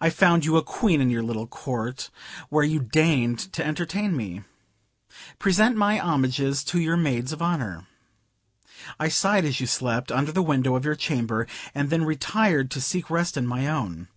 I found you a Queen in your little court, where you deigned to entertain me. Present my homages to your maids of honor. I sighed as you slept, under the window of your chamber, and then retired to seek rest in my own.